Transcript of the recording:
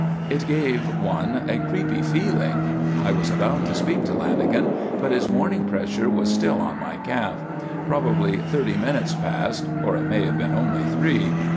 It gave one a creepy feeling. I was about to speak to Lanagan but his warning pressure was still on my calf. Probably thirty minutes passed, or it may have been only three.